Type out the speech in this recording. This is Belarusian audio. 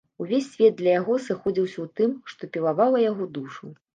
Увесь свет для яго сыходзіўся ў тым, што пілавала яго душу.